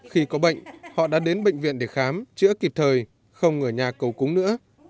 khi có bệnh họ đã đến bệnh viện để khám chữa kịp thời không ở nhà cầu cúng nữa